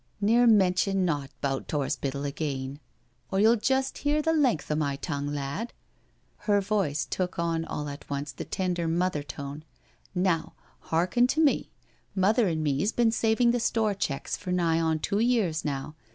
*' Neer mention naught 'bout t*orspital again, or you'll just hear the length o' my tongue, lad." Her voice took on all at once the tender mother tone. " Now hearken to me— Mother and me's been saving the Store checks for nigh on two years now.